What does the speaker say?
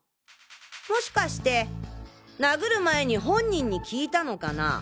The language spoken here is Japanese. もしかして殴る前に本人に聞いたのかな？